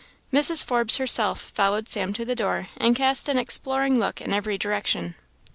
Mrs. Forbes herself followed Sam to the door, and cast an exploring look in every direction.